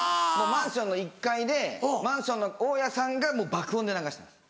マンションの１階でマンションの大家さんがもう爆音で流してます。